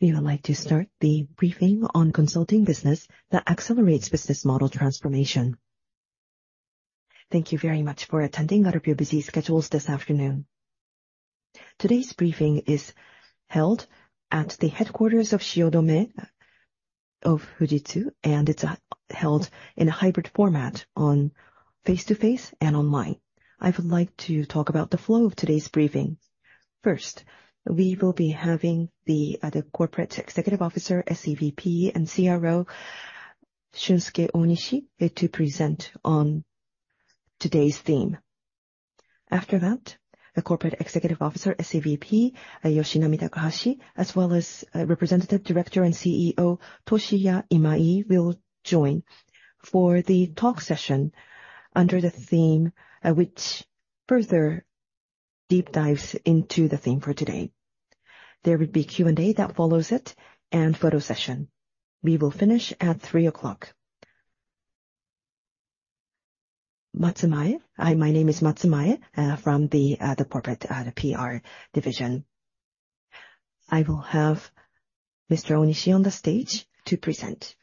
We would like to start the briefing on consulting business that accelerates business model transformation. Thank you very much for attending out of your busy schedules this afternoon. Today's briefing is held at the Shiodome headquarters of Fujitsu, and it's held in a hybrid format on face-to-face and online. I would like to talk about the flow of today's briefing. First, we will be having the Corporate Executive Officer, SEVP, and CRO, Shunsuke Onishi, to present on today's theme. After that, the Corporate Executive Officer, SEVP, Yoshinami Takahashi, as well as Representative Director and CEO, Toshiya Imai, will join for the talk session under the theme which further deep dives into the theme for today. There would be Q&A that follows it and photo session. We will finish at 3:00 P.M. My name is Matsumae from the corporate PR division. I will have Mr. Onishi on the stage to present.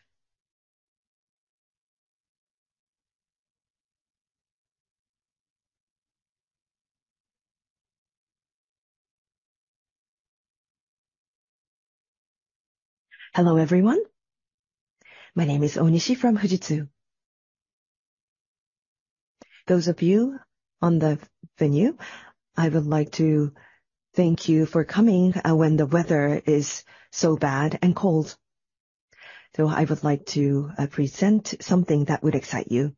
Hello everyone. My name is Onishi from Fujitsu. Those of you on the venue, I would like to thank you for coming when the weather is so bad and cold. So I would like to present something that would excite you.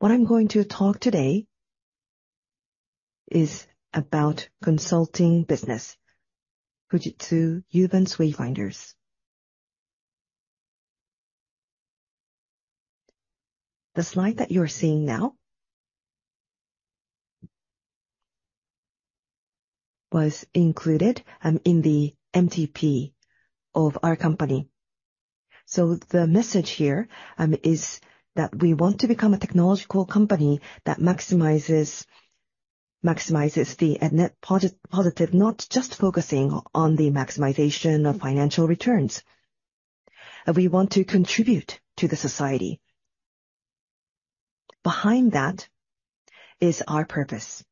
What I'm going to talk today is about consulting business, Fujitsu Uvance Wayfinders. The slide that you're seeing now was included in the MTP of our company. So the message here is that we want to become a technological company that maximizes the Net Positive, not just focusing on the maximization of financial returns. We want to contribute to the society. Behind that is our purpose.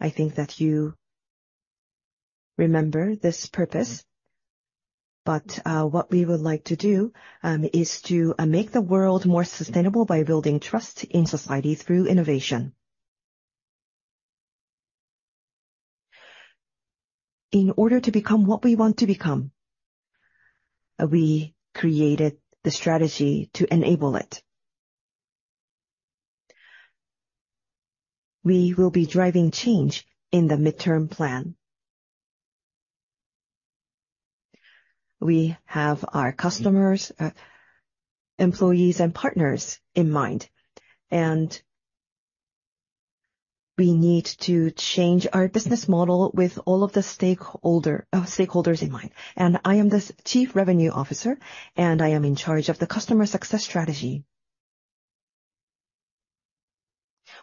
I think that you remember this purpose. But what we would like to do is to make the world more sustainable by building trust in society through innovation. In order to become what we want to become, we created the strategy to enable it. We will be driving change in the midterm plan. We have our customers, employees, and partners in mind, and we need to change our business model with all of the stakeholders in mind. I am the Chief Revenue Officer, and I am in charge of the customer success strategy.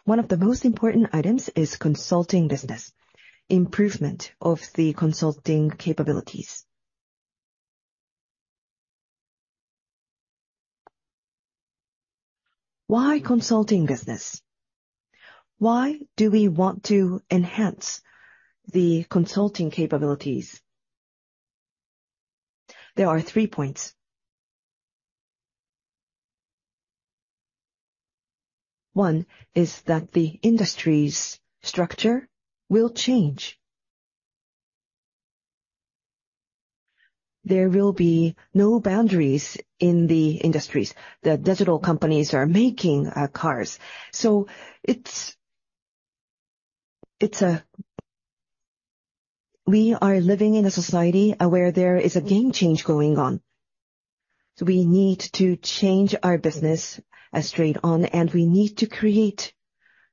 One of the most important items is consulting business, improvement of the consulting capabilities. Why consulting business? Why do we want to enhance the consulting capabilities? There are three points. One is that the industry's structure will change. There will be no boundaries in the industries. The digital companies are making cars. We are living in a society where there is a game change going on. We need to change our business straight on, and we need to create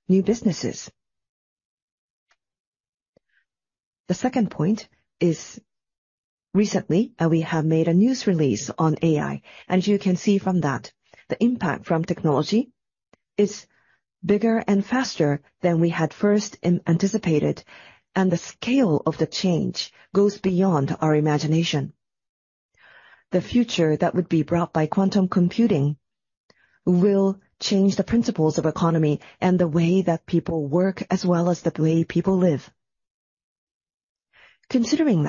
new businesses. The second point is recently we have made a news release on AI. You can see from that the impact from technology is bigger and faster than we had first anticipated, and the scale of the change goes beyond our imagination. The future that would be brought by quantum computing will change the principles of economy and the way that people work as well as the way people live. Considering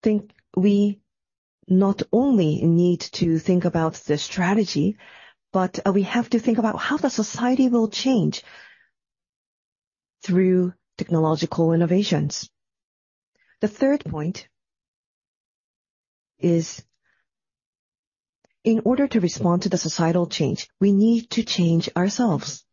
that, I think we not only need to think about the strategy, but we have to think about how the society will change through technological innovations. The third point is in order to respond to the societal change, we need to change ourselves.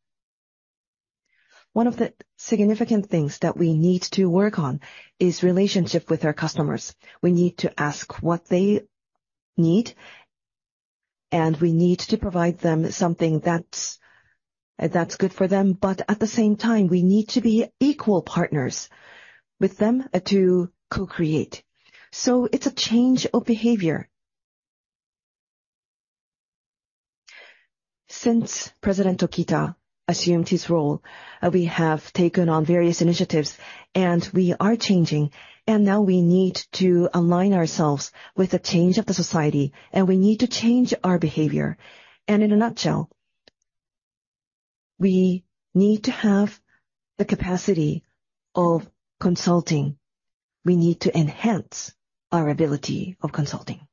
One of the significant things that we need to work on is relationship with our customers. We need to ask what they need, and we need to provide them something that's good for them. But at the same time, we need to be equal partners with them to co-create. It's a change of behavior. Since President Tokita assumed his role, we have taken on various initiatives, and we are changing. Now we need to align ourselves with the change of the society, and we need to change our behavior. In a nutshell, we need to have the capacity of consulting. We need to enhance our ability of consulting.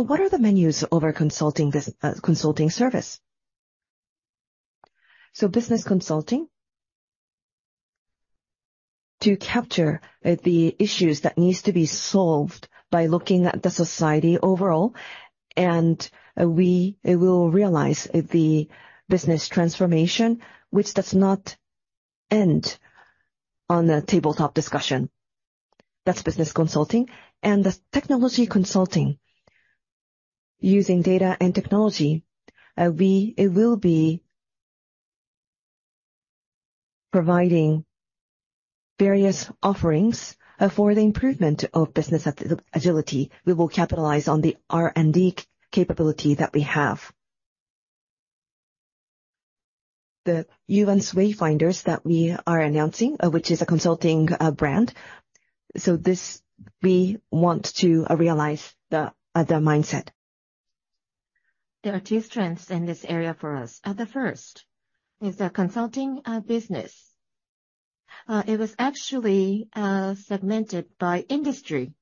What are the menus of our consulting service? Business consulting, to capture the issues that need to be solved by looking at the society overall, and we will realize the business transformation which does not end on the tabletop discussion. That's business consulting. The technology consulting, using data and technology, it will be providing various offerings for the improvement of business agility. We will capitalize on the R&D capability that we have. The Uvance Wayfinders that we are announcing, which is a consulting brand, so we want to realize the mindset. There are two strengths in this area for us. The first is the consulting business. It was actually segmented by industry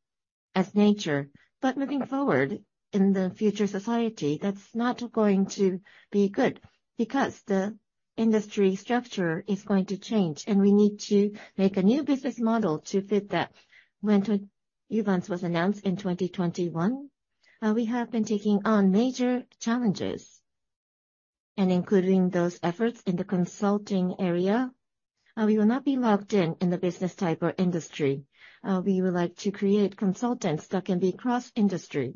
by nature. But moving forward in the future society, that's not going to be good because the industry structure is going to change, and we need to make a new business model to fit that. When Uvance was announced in 2021, we have been taking on major challenges, and including those efforts in the consulting area, we will not be locked in the business type or industry. We would like to create consultants that can be cross-industry.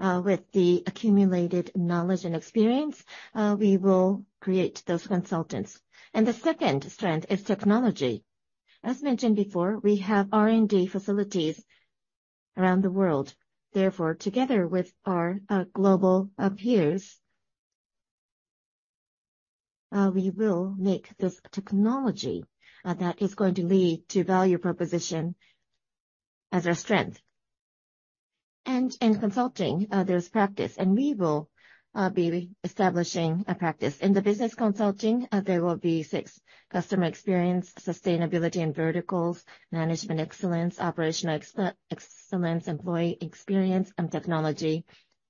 With the accumulated knowledge and experience, we will create those consultants. And the second strength is technology. As mentioned before, we have R&D facilities around the world. Therefore, together with our global peers, we will make this technology that is going to lead to value proposition as our strength. In consulting, there's practice, and we will be establishing a practice. In the business consulting, there will be six: customer experience, sustainability and verticals, management excellence, operational excellence, employee experience, and technology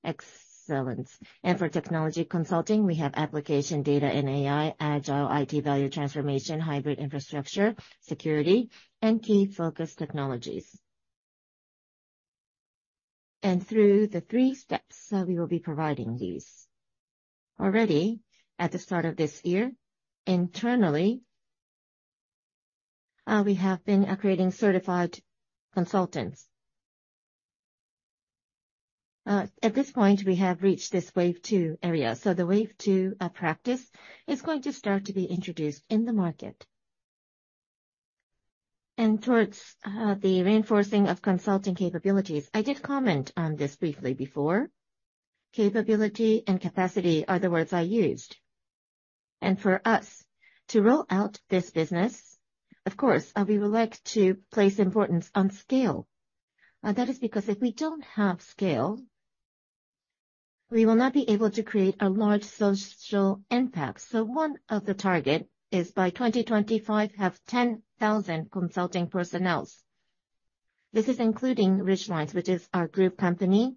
excellence. For technology consulting, we have application, data, and AI, agile IT value transformation, hybrid infrastructure, security, and key focus technologies. Through the three steps, we will be providing these. Already at the start of this year, internally, we have been creating certified consultants. At this point, we have reached this wave two area. The wave two practice is going to start to be introduced in the market. Towards the reinforcing of consulting capabilities, I did comment on this briefly before. Capability and capacity are the words I used. For us to roll out this business, of course, we would like to place importance on scale. That is because if we don't have scale, we will not be able to create a large social impact. So one of the targets is by 2025, have 10,000 consulting personnel. This is including Ridgelinez, which is our group company.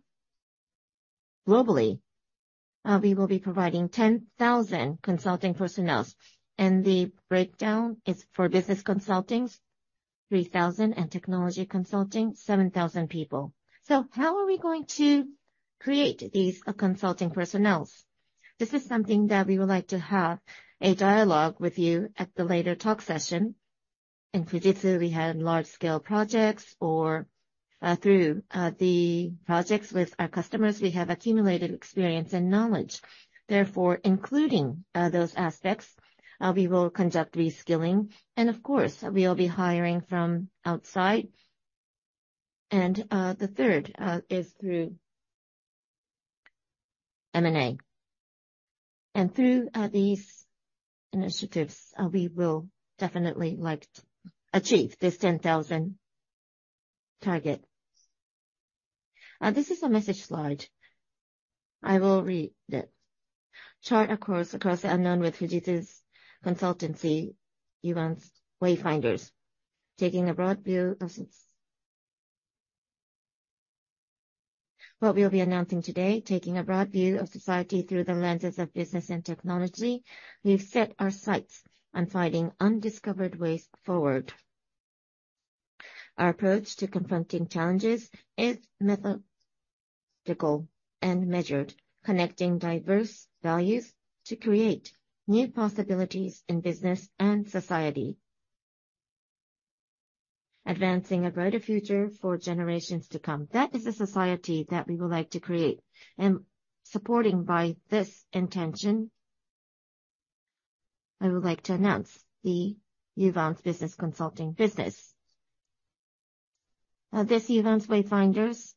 Globally, we will be providing 10,000 consulting personnel. And the breakdown is for business consulting, 3,000, and technology consulting, 7,000 people. So how are we going to create these consulting personnel? This is something that we would like to have a dialogue with you at the later talk session. In Fujitsu, we had large-scale projects, or through the projects with our customers, we have accumulated experience and knowledge. Therefore, including those aspects, we will conduct reskilling. And of course, we will be hiring from outside. And the third is through M&A. And through these initiatives, we will definitely achieve this 10,000 target. This is a message slide. I will read it. Chart a course across the unknown with Fujitsu's consultancy Uvance Wayfinders, taking a broad view of what we'll be announcing today, taking a broad view of society through the lenses of business and technology. We've set our sights on finding undiscovered ways forward. Our approach to confronting challenges is methodical and measured, connecting diverse values to create new possibilities in business and society, advancing a brighter future for generations to come. That is a society that we would like to create. And supporting by this intention, I would like to announce the Uvance business consulting business. This Uvance Wayfinders,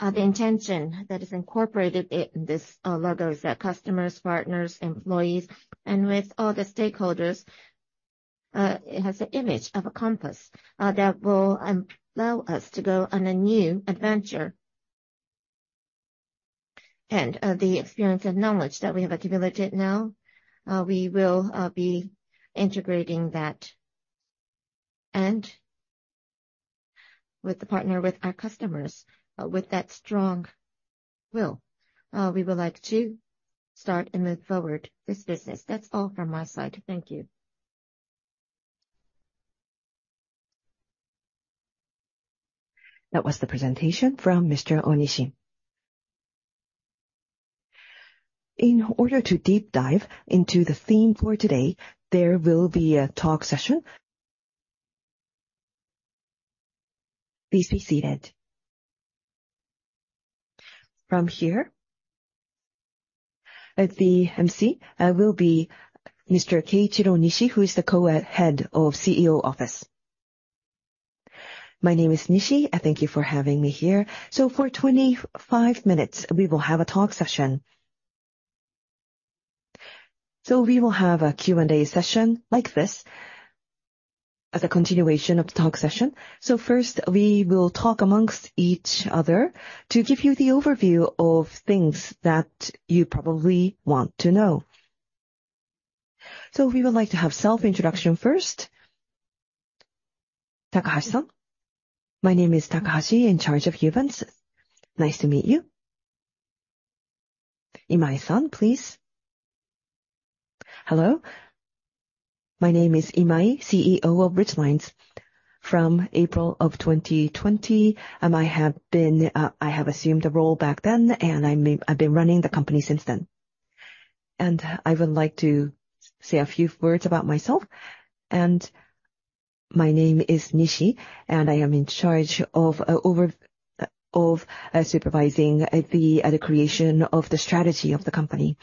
the intention that is incorporated in this logo is that customers, partners, employees, and with all the stakeholders, it has an image of a compass that will allow us to go on a new adventure. The experience and knowledge that we have accumulated now, we will be integrating that with the partner, with our customers, with that strong will. We would like to start and move forward this business. That's all from my side. Thank you. That was the presentation from Mr. Onishi. In order to deep dive into the theme for today, there will be a talk session. Please be seated. From here, the emcee will be Mr. Keiichiro Nishi, who is the co-head of CEO Office. My name is Nishi. Thank you for having me here. So for 25 minutes, we will have a talk session. So we will have a Q&A session like this as a continuation of the talk session. So first, we will talk amongst each other to give you the overview of things that you probably want to know. So we would like to have self-introduction first. Takahashi-san. My name is Takahashi, in charge of Uvance's. Nice to meet you. Imai-san, please. Hello. My name is Imai, CEO of Ridgelinez. From April of 2020, I have assumed a role back then, and I've been running the company since then. I would like to say a few words about myself. My name is Nishi, and I am in charge of supervising the creation of the strategy of the company.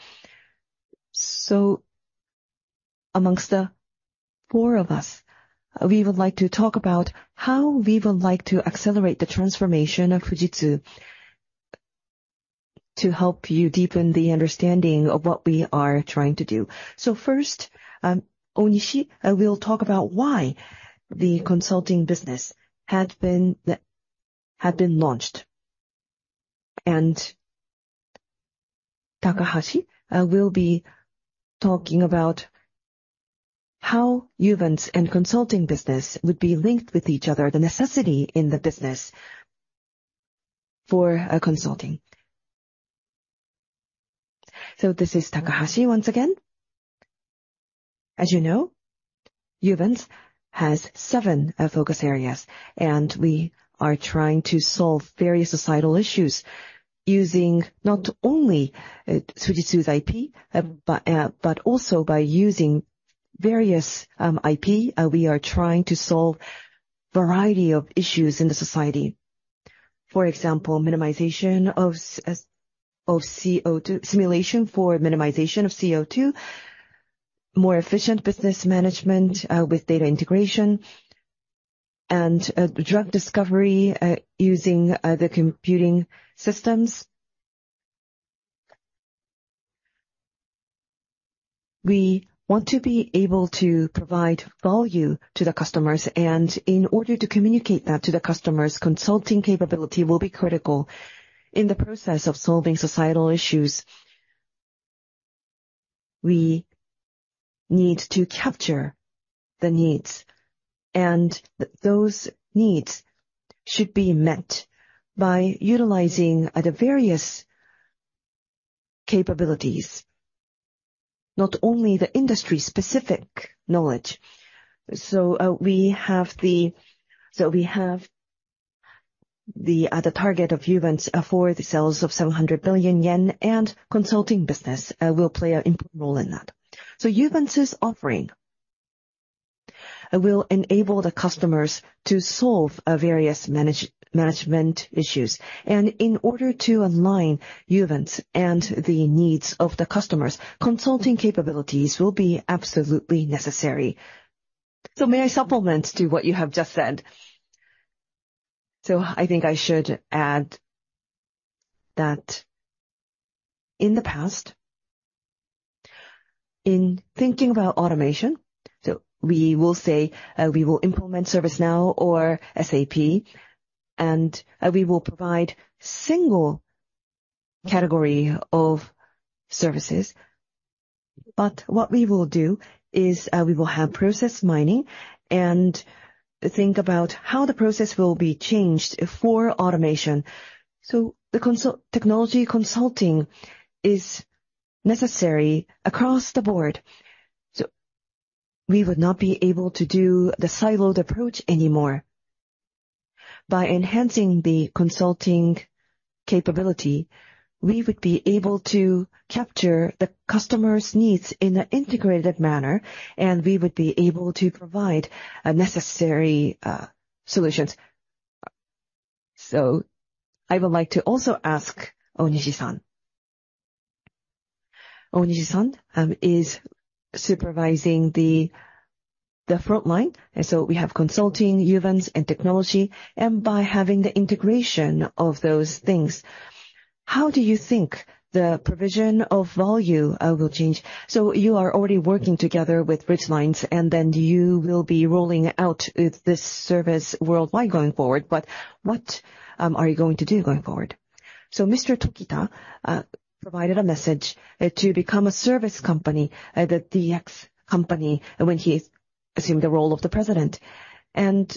Among the four of us, we would like to talk about how we would like to accelerate the transformation of Fujitsu to help you deepen the understanding of what we are trying to do. First, Onishi, we'll talk about why the consulting business had been launched. Takahashi will be talking about how Uvance's and consulting business would be linked with each other, the necessity in the business for consulting. This is Takahashi once again. As you know, Uvance's has seven focus areas, and we are trying to solve various societal issues using not only Fujitsu's IP, but also by using various IP. We are trying to solve a variety of issues in the society. For example, minimization of CO2, simulation for minimization of CO2, more efficient business management with data integration, and drug discovery using the computing systems. We want to be able to provide value to the customers. And in order to communicate that to the customers, consulting capability will be critical in the process of solving societal issues. We need to capture the needs, and those needs should be met by utilizing the various capabilities, not only the industry-specific knowledge. So we have the target of Uvance's for the sales of 700 billion yen, and consulting business will play an important role in that. So Uvance's offering will enable the customers to solve various management issues. And in order to align Uvance's and the needs of the customers, consulting capabilities will be absolutely necessary. May I supplement to what you have just said? So I think I should add that in the past, in thinking about automation, we will say we will implement ServiceNow or SAP, and we will provide a single category of services. What we will do is we will have process mining and think about how the process will be changed for automation. So the technology consulting is necessary across the board. So we would not be able to do the siloed approach anymore. By enhancing the consulting capability, we would be able to capture the customer's needs in an integrated manner, and we would be able to provide necessary solutions. So I would like to also ask Onishi-san. Onishi-san is supervising the frontline. And so we have consulting, Uvance's, and technology. And by having the integration of those things, how do you think the provision of value will change? So you are already working together with Ridgelinez, and then you will be rolling out this service worldwide going forward. But what are you going to do going forward? So Mr. Tokita provided a message to become a service company unlike the tech company when he assumed the role of the president. And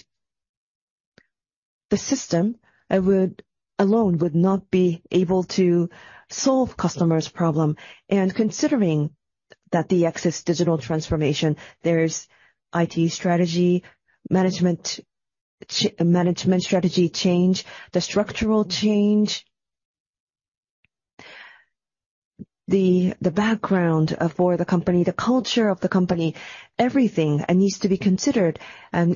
the system alone would not be able to solve customers' problems. And considering the existing digital transformation, there's IT strategy, management strategy change, the structural change, the background for the company, the culture of the company, everything needs to be considered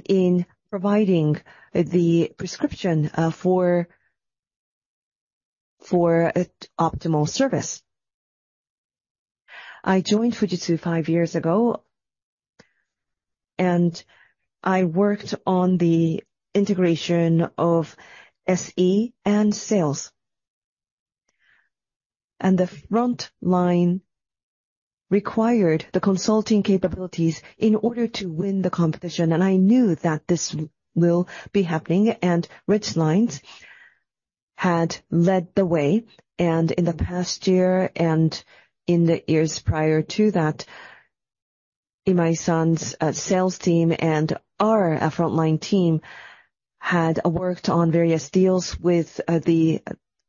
in providing the prescription for optimal service. I joined Fujitsu five years ago, and I worked on the integration of SE and sales. And the frontline required the consulting capabilities in order to win the competition. And I knew that this will be happening. And Ridgelinez had led the way. In the past year and in the years prior to that, Imai-san's sales team and our frontline team had worked on various deals with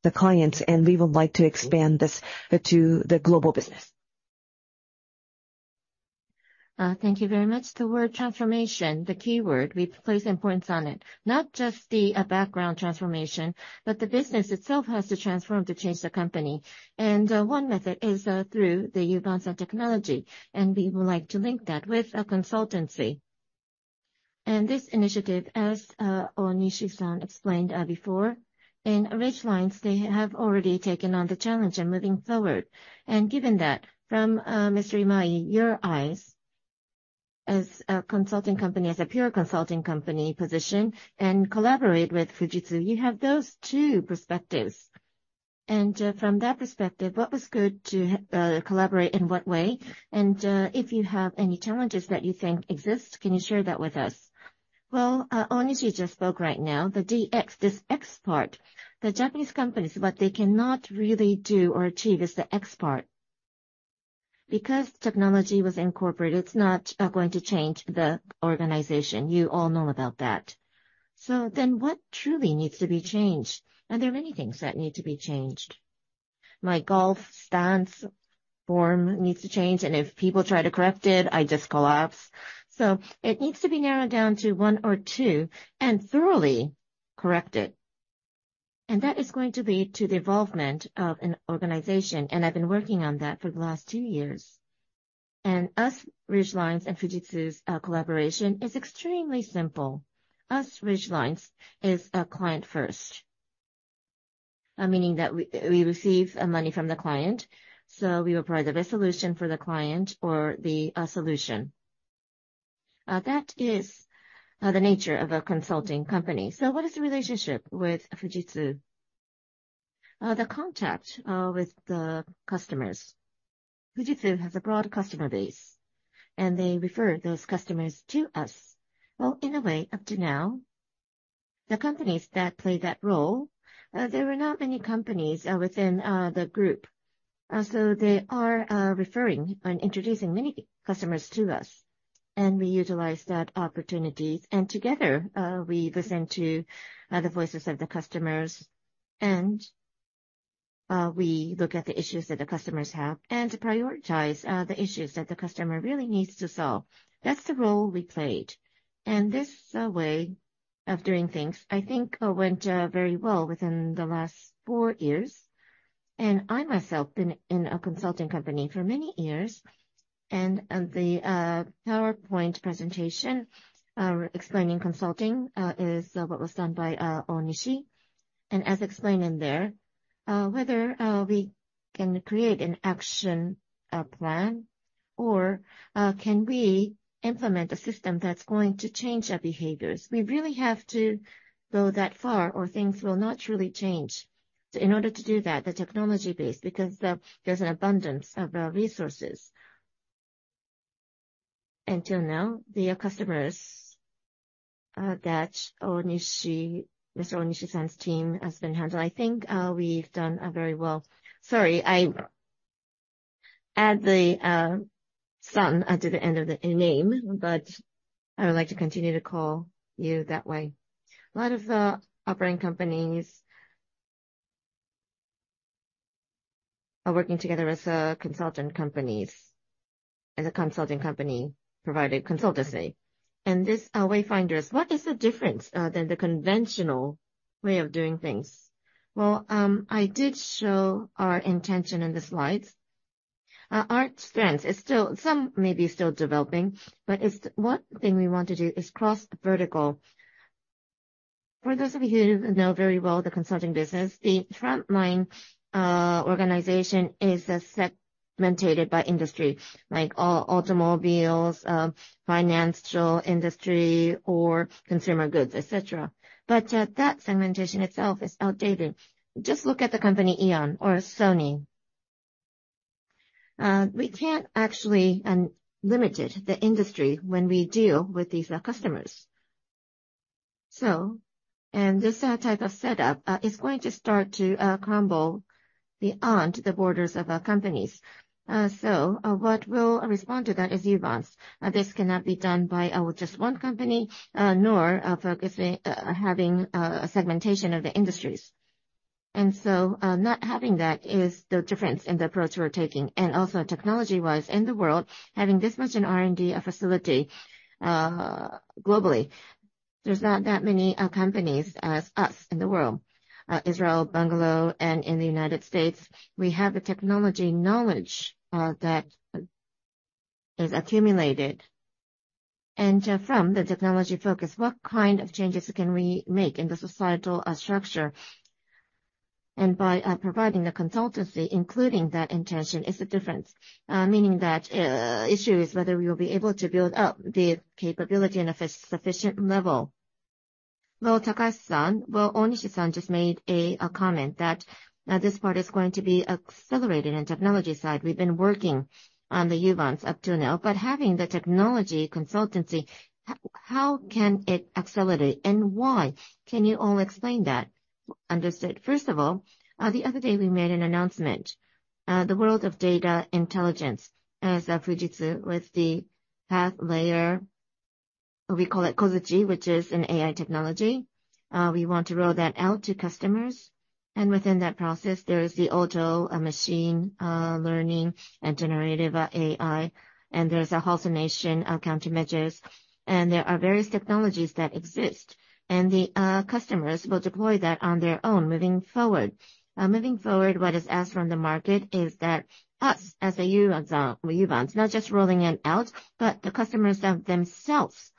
the clients. And we would like to expand this to the global business. Thank you very much. The word transformation, the keyword, we place importance on it. Not just the background transformation, but the business itself has to transform to change the company. One method is through the Uvance's and technology. We would like to link that with a consultancy. This initiative, as Onishi-san explained before, in Ridgelinez, they have already taken on the challenge and moving forward. Given that, from Mr. Imai, your side, as a consulting company, as a pure consulting company position, and collaborate with Fujitsu, you have those two perspectives. From that perspective, what was good to collaborate in what way? If you have any challenges that you think exist, can you share that with us? Well, Onishi just spoke right now, the DX, this X part, the Japanese companies, what they cannot really do or achieve is the X part. Because technology was incorporated, it's not going to change the organization. You all know about that. So then what truly needs to be changed? There are many things that need to be changed. My golf stance form needs to change. If people try to correct it, I just collapse. It needs to be narrowed down to one or two and thoroughly corrected. That is going to lead to the evolvement of an organization. I've been working on that for the last two years. Ridgelinez and Fujitsu's collaboration is extremely simple. Ridgelinez is client-first, meaning that we receive money from the client. We provide the best solution for the client or the solution. That is the nature of a consulting company. What is the relationship with Fujitsu? The contact with the customers. Fujitsu has a broad customer base, and they refer those customers to us. Well, in a way, up to now, the companies that play that role, there were not many companies within the group. So they are referring and introducing many customers to us. And we utilize that opportunities. And together, we listen to the voices of the customers, and we look at the issues that the customers have and prioritize the issues that the customer really needs to solve. That's the role we played. And this way of doing things, I think, went very well within the last four years. And I myself have been in a consulting company for many years. And the PowerPoint presentation explaining consulting is what was done by Onishi. And as explained in there, whether we can create an action plan or can we implement a system that's going to change our behaviors, we really have to go that far or things will not truly change. So in order to do that, the technology-based, because there's an abundance of resources. Until now, the customers that Mr. Onishi-san's team has been handling, I think we've done very well. Sorry, I add the san to the end of the name, but I would like to continue to call you that way. A lot of the operating companies are working together as consultant companies, and the consulting company provided consultancy. And this Wayfinders, what is the difference than the conventional way of doing things? Well, I did show our intention in the slides. Our strengths are still some may be still developing, but what thing we want to do is cross vertical. For those of you who know very well the consulting business, the frontline organization is segmented by industry, like automobiles, financial industry, or consumer goods, etc. But that segmentation itself is outdated. Just look at the company Aeon or Sony. We can't actually limit the industry when we deal with these customers. And this type of setup is going to start to crumble beyond the borders of our companies. So what will respond to that is Uvance. This cannot be done by just one company, nor having a segmentation of the industries. And so not having that is the difference in the approach we're taking. And also technology-wise in the world, having this much an R&D facility globally, there's not that many companies as us in the world. Israel, Bengaluru, and in the United States, we have the technology knowledge that is accumulated. From the technology focus, what kind of changes can we make in the societal structure? And by providing the consultancy, including that intention, is the difference, meaning that issue is whether we will be able to build up the capability on a sufficient level. Well, Takahashi-san, well, Onishi-san just made a comment that this part is going to be accelerated in the technology side. We've been working on the Uvance's up till now. But having the technology consultancy, how can it accelerate? And why? Can you all explain that? Understood. First of all, the other day we made an announcement. The world of data intelligence as Fujitsu with Palantir, we call it Kozuchi, which is an AI technology. We want to roll that out to customers. And within that process, there is the auto machine learning and generative AI. And there's a hallucination countermeasures. There are various technologies that exist. The customers will deploy that on their own moving forward. Moving forward, what is asked from the market is that us as Ubiquitous Solutions, not just rolling it out, but the customers themselves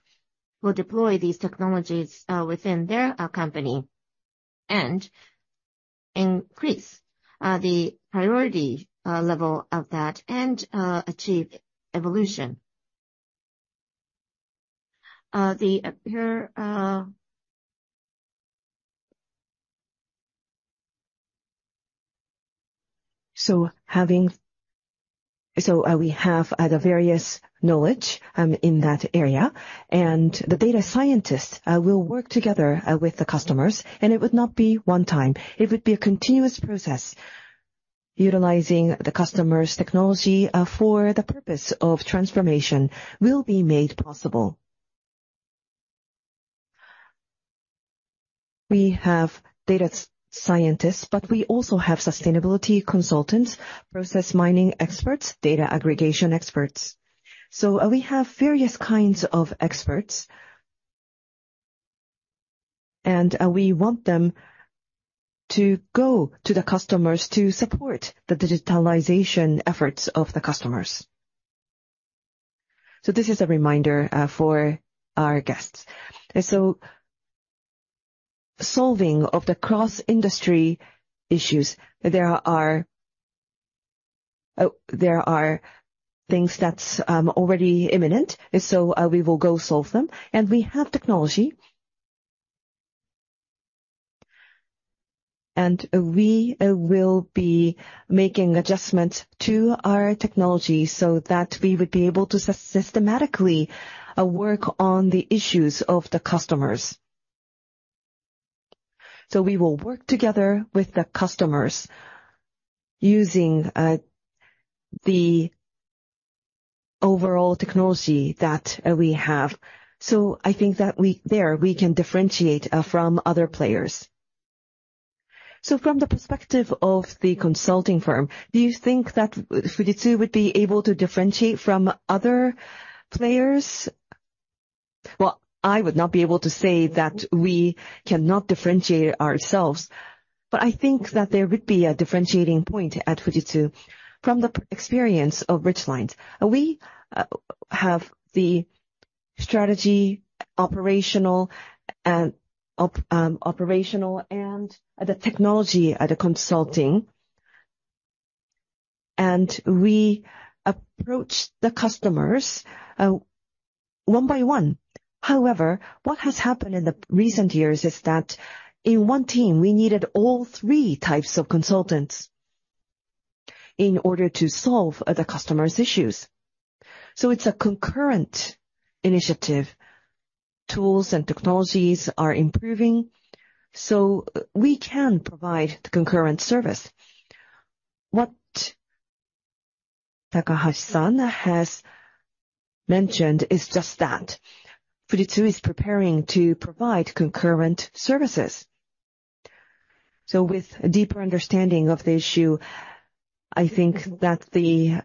will deploy these technologies within their company and increase the priority level of that and achieve evolution. We have the various knowledge in that area. The data scientists will work together with the customers. It would not be one-time. It would be a continuous process. Utilizing the customer's technology for the purpose of transformation will be made possible. We have data scientists, but we also have sustainability consultants, process mining experts, data aggregation experts. We have various kinds of experts. We want them to go to the customers to support the digitalization efforts of the customers. This is a reminder for our guests. Solving of the cross-industry issues, there are things that's already imminent. We will go solve them. We have technology. We will be making adjustments to our technology so that we would be able to systematically work on the issues of the customers. We will work together with the customers using the overall technology that we have. I think that there, we can differentiate from other players. From the perspective of the consulting firm, do you think that Fujitsu would be able to differentiate from other players? Well, I would not be able to say that we cannot differentiate ourselves. I think that there would be a differentiating point at Fujitsu from the experience of Ridgelinez. We have the strategy, operational, and the technology at the consulting. We approach the customers one by one. However, what has happened in the recent years is that in one team, we needed all three types of consultants in order to solve the customer's issues. It's a concurrent initiative. Tools and technologies are improving. We can provide the concurrent service. What Takahashi-san has mentioned is just that. Fujitsu is preparing to provide concurrent services. So with a deeper understanding of the issue, I think that the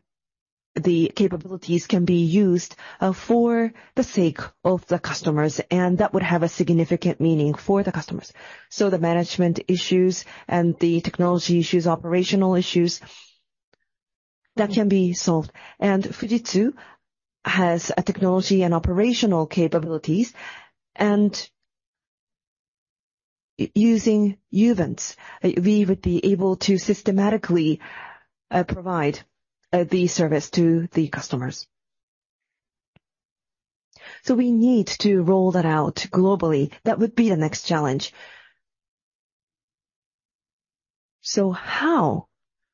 capabilities can be used for the sake of the customers. And that would have a significant meaning for the customers. So the management issues and the technology issues, operational issues, that can be solved. And Fujitsu has technology and operational capabilities. And using Uvance, we would be able to systematically provide the service to the customers. So we need to roll that out globally. That would be the next challenge. So how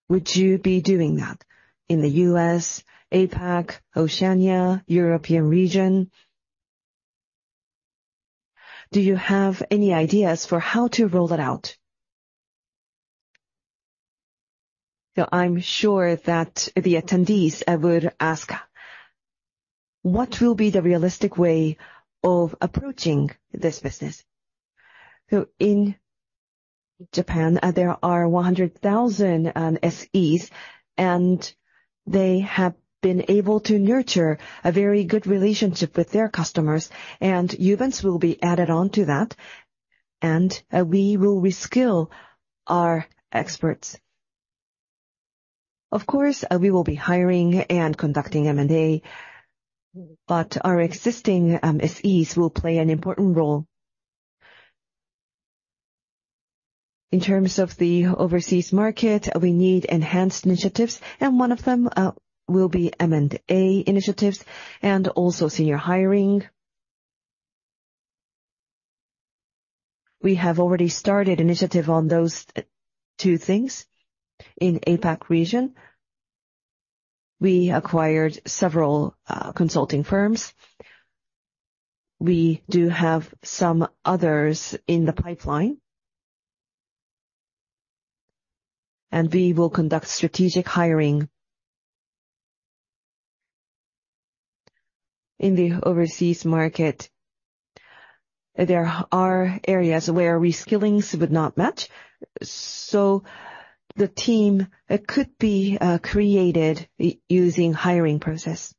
would you be doing that in the U.S., APAC, Oceania, European region? Do you have any ideas for how to roll that out? So I'm sure that the attendees would ask, what will be the realistic way of approaching this business? So in Japan, there are 100,000 SEs. They have been able to nurture a very good relationship with their customers. Uvance's will be added onto that. We will reskill our experts. Of course, we will be hiring and conducting M&A. But our existing SEs will play an important role. In terms of the overseas market, we need enhanced initiatives. One of them will be M&A initiatives and also senior hiring. We have already started initiative on those two things in the APAC region. We acquired several consulting firms. We do have some others in the pipeline. We will conduct strategic hiring in the overseas market. There are areas where reskillings would not match. The team could be created using the hiring process.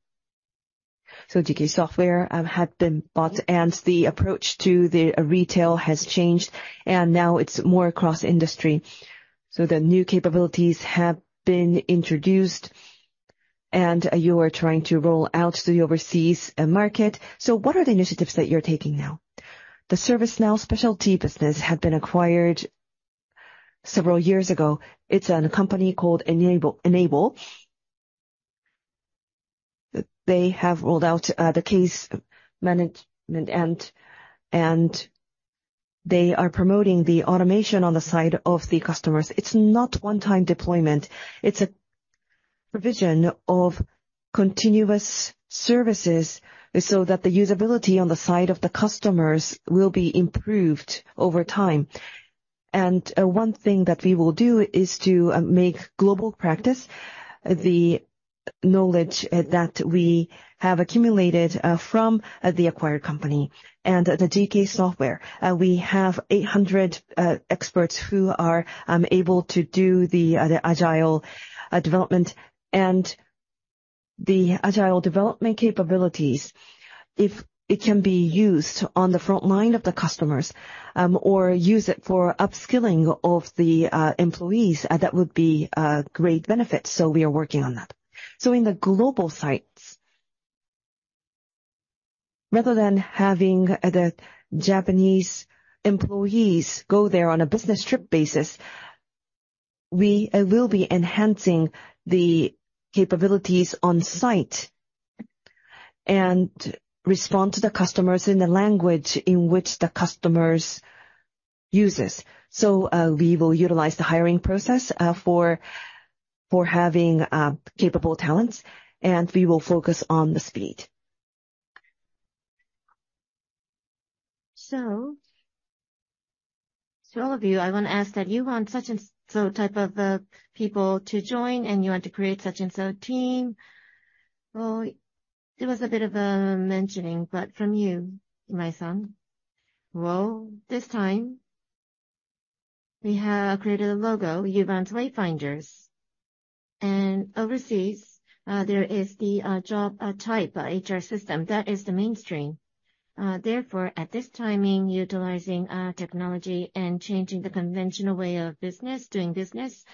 GK Software had been bought. The approach to the retail has changed. Now it's more across industry. The new capabilities have been introduced. And you are trying to roll out to the overseas market. So what are the initiatives that you're taking now? The ServiceNow specialty business had been acquired several years ago. It's a company called Enable. They have rolled out the case management. And they are promoting the automation on the side of the customers. It's not one-time deployment. It's a provision of continuous services so that the usability on the side of the customers will be improved over time. And one thing that we will do is to make global practice the knowledge that we have accumulated from the acquired company and the GK Software. We have 800 experts who are able to do the agile development. And the agile development capabilities, if it can be used on the frontline of the customers or use it for upskilling of the employees, that would be a great benefit. We are working on that. In the global sites, rather than having the Japanese employees go there on a business trip basis, we will be enhancing the capabilities on site and respond to the customers in the language in which the customers use. We will utilize the hiring process for having capable talents. We will focus on the speed. So all of you, I want to ask that you want such and so type of people to join. You want to create such and so team. Well, it was a bit of a mentioning. But from you, Imai-san, well, this time, we have created a logo, Uvance Wayfinders. And overseas, there is the job type, HR system. That is the mainstream. Therefore, at this timing, utilizing technology and changing the conventional way of business, doing business,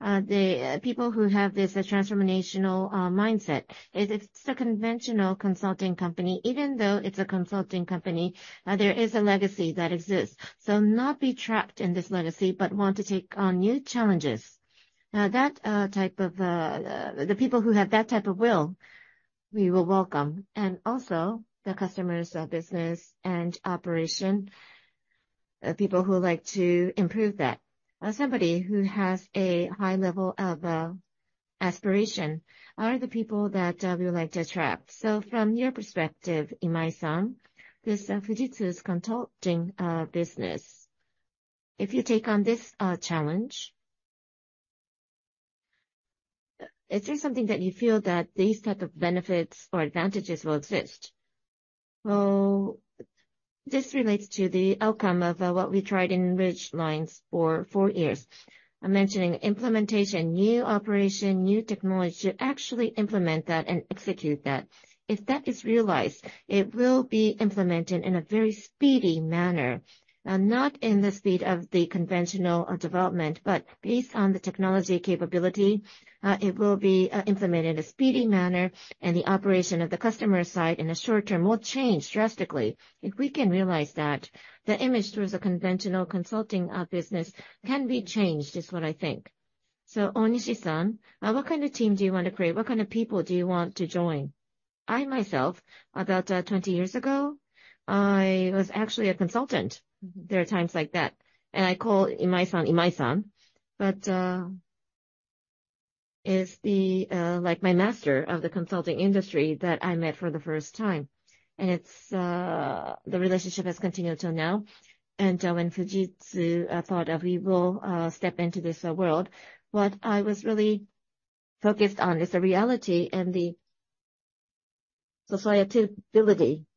the people who have this transformational mindset, if it's a conventional consulting company, even though it's a consulting company, there is a legacy that exists. So not be trapped in this legacy, but want to take on new challenges. The people who have that type of will, we will welcome. And also the customer's business and operation, people who like to improve that. Somebody who has a high level of aspiration are the people that we would like to attract. So from your perspective, Imai-san, this Fujitsu's consulting business, if you take on this challenge, is there something that you feel that these type of benefits or advantages will exist? Well, this relates to the outcome of what we tried in Ridgelinez for four years. I'm mentioning implementation, new operation, new technology. Actually implement that and execute that. If that is realized, it will be implemented in a very speedy manner, not in the speed of the conventional development, but based on the technology capability, it will be implemented in a speedy manner. And the operation of the customer side in the short term will change drastically if we can realize that. The image towards a conventional consulting business can be changed is what I think. So Onishi-san, what kind of team do you want to create? What kind of people do you want to join? I, myself, about 20 years ago, I was actually a consultant. There are times like that. And I call Imai-san, Imai-san. But it's like my master of the consulting industry that I met for the first time. And the relationship has continued till now. And when Fujitsu thought we will step into this world, what I was really focused on is the reality and the sociability.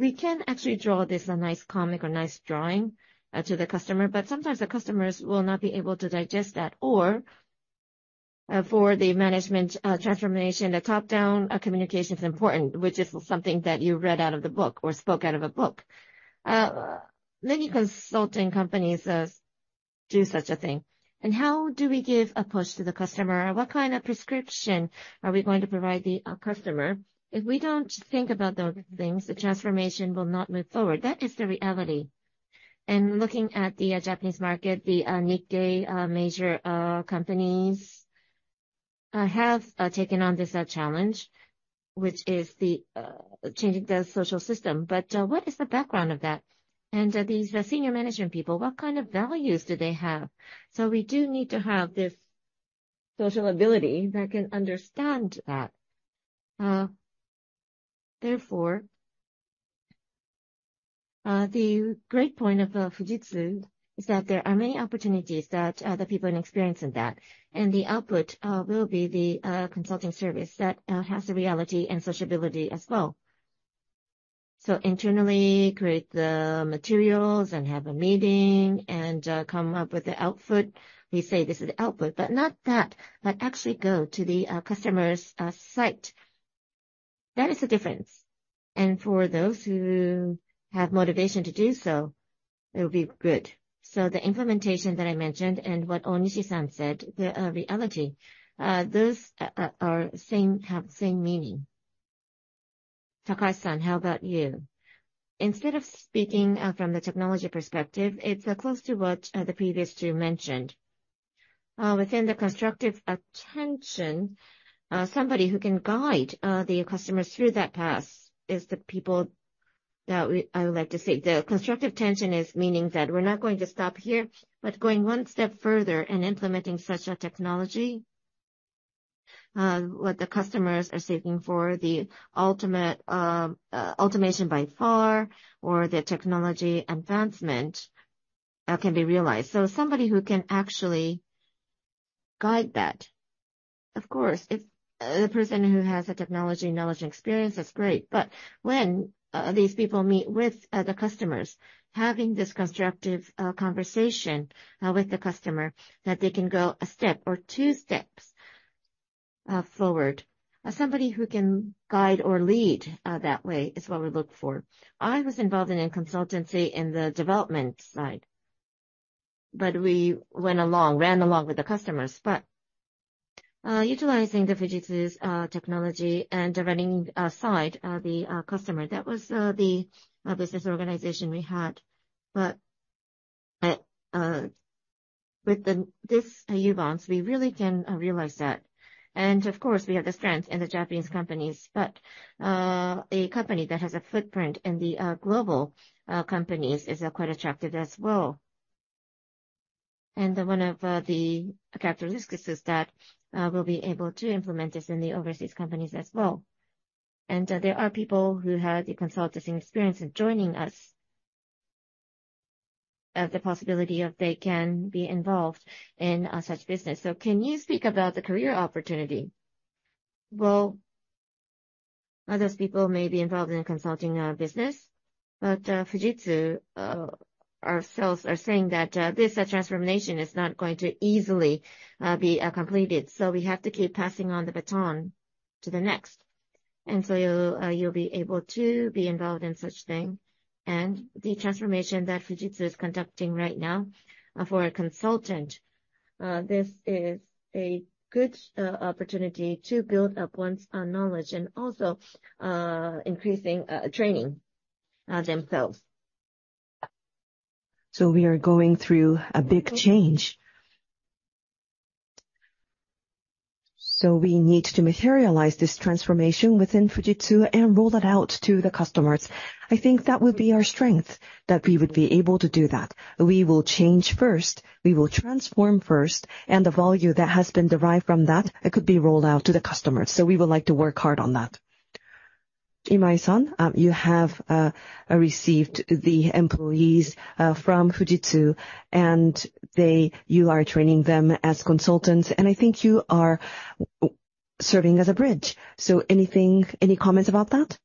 We can actually draw this a nice comic or nice drawing to the customer. But sometimes the customers will not be able to digest that. Or for the management transformation, the top-down communication is important, which is something that you read out of the book or spoke out of a book. Many consulting companies do such a thing. How do we give a push to the customer? What kind of prescription are we going to provide the customer? If we don't think about those things, the transformation will not move forward. That is the reality. Looking at the Japanese market, the Nikkei major companies have taken on this challenge, which is changing the social system. What is the background of that? These senior management people, what kind of values do they have? We do need to have this social ability that can understand that. Therefore, the great point of Fujitsu is that there are many opportunities that the people in experience in that. The output will be the consulting service that has the reality and sociability as well. Internally, create the materials and have a meeting and come up with the output. We say this is the output. But not that, but actually go to the customer's site. That is the difference. For those who have motivation to do so, it will be good. The implementation that I mentioned and what Onishi-san said, the reality, those have the same meaning. Takahashi-san, how about you? Instead of speaking from the technology perspective, it's close to what the previous two mentioned. Within the constructive tension, somebody who can guide the customers through that path is the people that I would like to see. The constructive tension is meaning that we're not going to stop here, but going one step further and implementing such a technology. What the customers are seeking for, the ultimate automation by far or the technology advancement can be realized. Somebody who can actually guide that. Of course, if the person who has the technology knowledge and experience, that's great. But when these people meet with the customers, having this constructive conversation with the customer, that they can go a step or two steps forward. Somebody who can guide or lead that way is what we look for. I was involved in consultancy in the development side. We ran along with the customers. Utilizing Fujitsu's technology and the running side, the customer, that was the business organization we had. But with this Uvance's, we really can realize that. And of course, we have the strength in the Japanese companies. But a company that has a footprint in the global companies is quite attractive as well. And one of the characteristics is that we'll be able to implement this in the overseas companies as well. And there are people who have the consulting experience in joining us. The possibility of they can be involved in such business. Can you speak about the career opportunity? Well, those people may be involved in consulting business. But Fujitsu ourselves are saying that this transformation is not going to easily be completed. So we have to keep passing on the baton to the next. And so you'll be able to be involved in such thing. And the transformation that Fujitsu is conducting right now for a consultant, this is a good opportunity to build up one's knowledge and also increasing training themselves. We are going through a big change. We need to materialize this transformation within Fujitsu and roll that out to the customers. I think that would be our strength, that we would be able to do that. We will change first. We will transform first. The value that has been derived from that could be rolled out to the customers. We would like to work hard on that. Imai-san, you have received the employees from Fujitsu. You are training them as consultants. I think you are serving as a bridge. Any comments about that?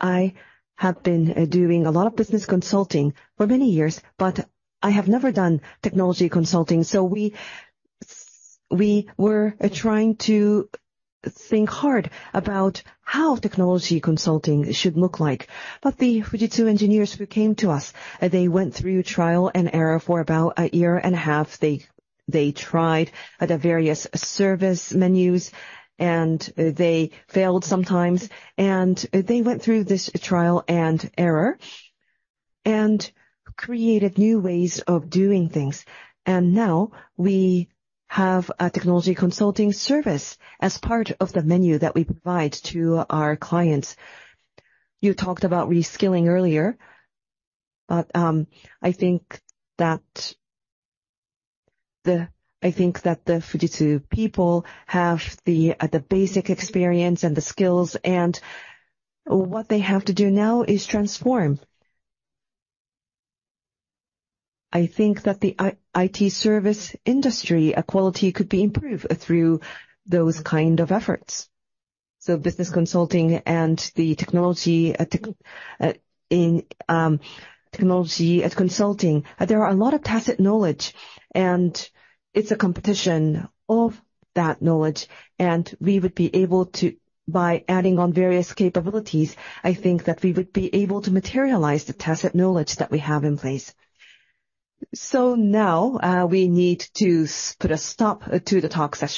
I have been doing a lot of business consulting for many years. But I have never done technology consulting. We were trying to think hard about how technology consulting should look like. But the Fujitsu engineers who came to us, they went through trial and error for about a year and a half. They tried the various service menus. They failed sometimes. They went through this trial and error and created new ways of doing things. Now we have a technology consulting service as part of the menu that we provide to our clients. You talked about reskilling earlier. But I think that the Fujitsu people have the basic experience and the skills. What they have to do now is transform. I think that the IT service industry quality could be improved through those kind of efforts. Business consulting and the technology consulting, there are a lot of tacit knowledge. It's a competition of that knowledge. We would be able to, by adding on various capabilities, I think that we would be able to materialize the tacit knowledge that we have in place. Now we need to put a stop to the talk session.